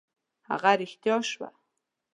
هغه رښتیا شوه.